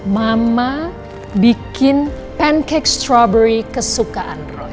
mama bikin pancake strovery kesukaan roy